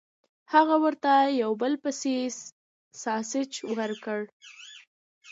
هغه ورته یو په بل پسې ساسج ورکړل